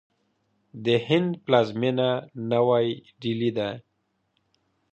د هند پلازمینه نوی ډهلي ده.